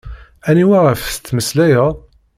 Aniwa ɣef tettmeslayeḍ?